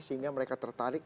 sehingga mereka tertarik